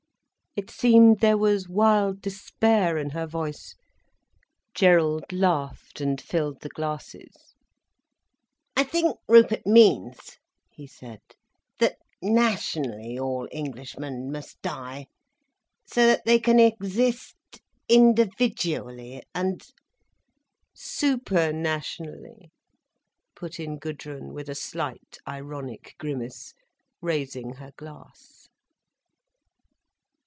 It seemed there was wild despair in her voice. Gerald laughed, and filled the glasses. "I think Rupert means," he said, "that nationally all Englishmen must die, so that they can exist individually and—" "Super nationally—" put in Gudrun, with a slight ironic grimace, raising her glass.